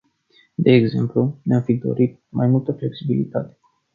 De exemplu, ne-am fi dorit mai multă flexibilitate.